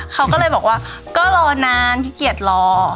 เขาก็เลยบอกว่าก็รอนานขี้เกียจรอ